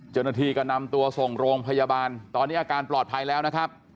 เจ้าหน้าที่ก็นำตัวส่งโรงพยาบาลตอนนี้อาการปลอดภัยแล้วนะครับ